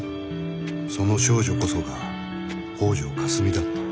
その少女こそが北條かすみだった。